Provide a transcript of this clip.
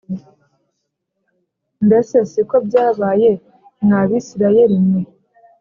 Mbese si ko byabaye mwa Bisirayeli mwe?